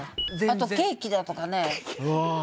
あとケーキだとかね。